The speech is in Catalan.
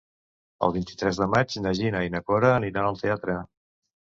El vint-i-tres de maig na Gina i na Cora aniran al teatre.